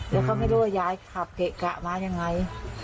แล้วเขาไม่รู้ว่ายายขับเกะกะมายังไง